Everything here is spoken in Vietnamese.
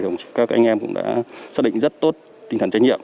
các anh em cũng đã xác định rất tốt tinh thần trách nhiệm